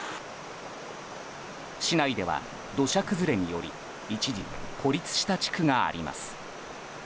市内では土砂崩れにより一時、孤立した地区があります。